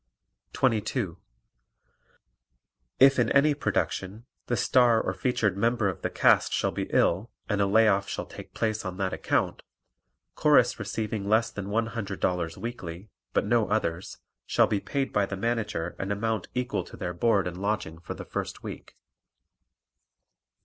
[Illustration: EDDIE CANTOR] 22. If in any production, the star or featured member of the cast shall be ill and a lay off shall take place on that account, Chorus receiving less than $100 weekly (but no others) shall be paid by the Manager an amount equal to their board and lodging for the first week.